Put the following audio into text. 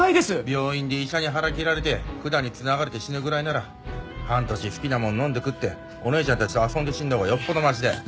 病院で医者に腹切られて管に繋がれて死ぬぐらいなら半年好きなもん飲んで食っておねえちゃんたちと遊んで死んだほうがよっぽどマシだよ。